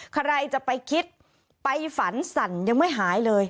ใครจะไปคิดไปฝันสั่นยังไม่หายเลย